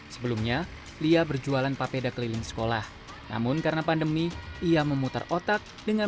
sebelumnya lia berjualan papeda keliling sekolah namun karena pandemi ia memutar otak dengan